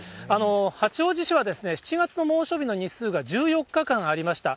八王子市は７月の猛暑日の日数が１４日間ありました。